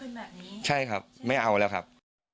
เป็นแบบนี้ใช่ครับไม่เอาแล้วครับ